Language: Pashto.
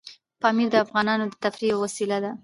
پامیر د افغانانو د تفریح یوه وسیله ده.